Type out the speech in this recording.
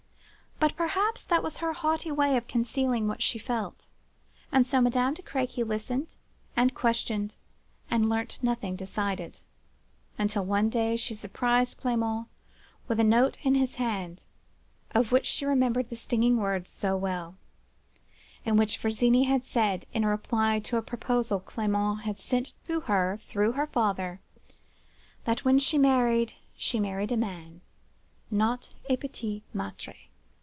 But perhaps that was her haughty way of concealing what she felt. And so Madame de Crequy listened, and questioned, and learnt nothing decided, until one day she surprised Clement with the note in his hand, of which she remembered the stinging words so well, in which Virginie had said, in reply to a proposal Clement had sent her through her father, that 'When she married she married a man, not a petit maitre.